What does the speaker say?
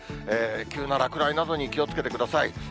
急な落雷などに気をつけてください。